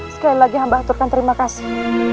sekali lagi hamba aturkan terima kasih